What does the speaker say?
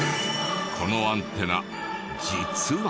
このアンテナ実は。